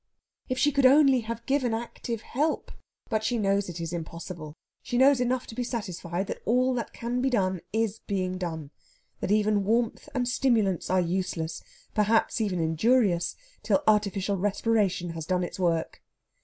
If she could only have given active help! But that she knows is impossible. She knows enough to be satisfied that all that can be done is being done; that even warmth and stimulants are useless, perhaps even injurious, till artificial respiration has done its work.